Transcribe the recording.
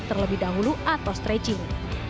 terlebih dahulu atau stretching